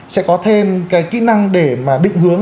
sẽ có thêm cái kỹ năng để mà định hướng